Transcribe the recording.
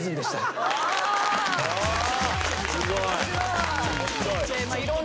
すごい。